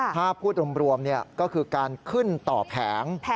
ถ้าพูดรวมก็คือการขึ้นต่อแผง